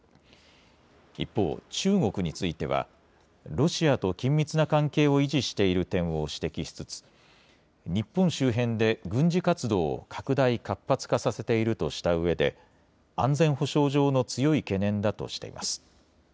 一方、中国については、ロシアと緊密な関係を維持している点を指摘しつつ、日本周辺で軍事活動を拡大・活発化させているとしたうえで、安全保障上の強い懸念だとしています。